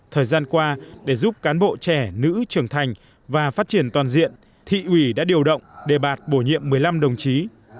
thời gian qua để giúp cán bộ trẻ nữ trưởng thành và phát triển toàn diện thị ủy đã điều động đề bạt bổ nhiệm một mươi năm đồng chí